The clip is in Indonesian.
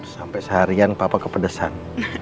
sampai seharian papa kepedesan